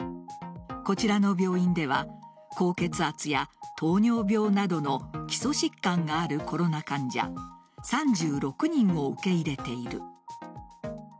こちらの病院では高血圧や糖尿病などの基礎疾患があるコロナ患者３６人を受け入れている。